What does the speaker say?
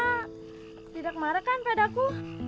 ama tidak marah kan pada ku